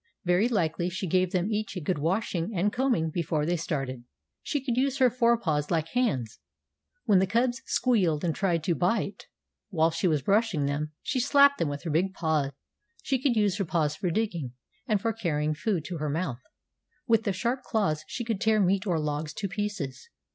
Very likely she gave them each a good washing and combing before they started. She could use her fore paws like hands. When the cubs squealed and tried to bite, while she was brushing them, she slapped them with her big paw. She could use her paws for digging, and for carrying food to her mouth. With the sharp claws she could tear meat or logs to pieces.